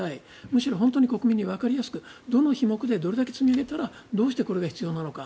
むしろ本当に国民にわかりやすくどの種目でどれだけ積み上げたらどうしてこれが必要なのか。